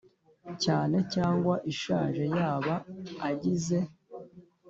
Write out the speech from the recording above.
Cyane cyangwa ishaje yaba agize